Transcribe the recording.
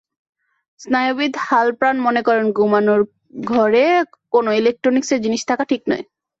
স্নায়ুবিদ হালপার্ন মনে করেন, ঘুমানোর ঘরে কোনো ইলেকট্রনিকসের জিনিস থাকা ঠিক নয়।